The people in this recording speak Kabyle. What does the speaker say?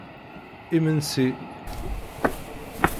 Imensi!